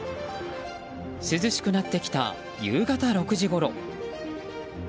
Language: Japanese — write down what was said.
涼しくなってきた、夕方６時ごろ。